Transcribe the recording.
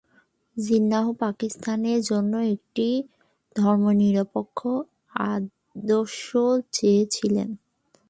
জিন্নাহ পাকিস্তানের জন্য একটি ধর্মনিরপেক্ষ আদর্শ চেয়েছিলেন।